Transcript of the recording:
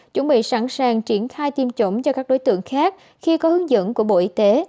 chuẩn bị sẵn sàng triển khai tiêm chủng cho các đối tượng khác khi có hướng dẫn của bộ y tế